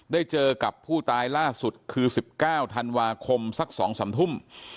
ได้เจอกับผู้ตายล่าสุดคือ๑๙ธันวาคมสัก๒๓ทุ่ม